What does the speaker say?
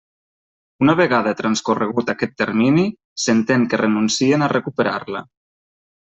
Una vegada transcorregut aquest termini s'entén que renuncien a recuperar-la.